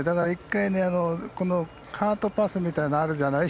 １回、カートパスみたいなのがあるじゃない。